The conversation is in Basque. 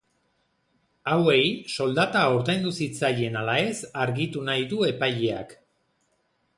Hauei soldata ordaindu zitzaien ala ez argitu nahi du epaileak.